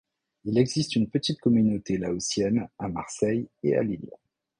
Il existe une petite communauté laotienne à Marseille et à Lille.